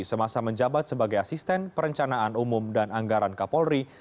semasa menjabat sebagai asisten perencanaan umum dan anggaran kapolri